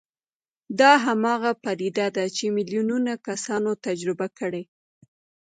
دا هماغه پدیده ده چې میلیونونه کسانو تجربه کړې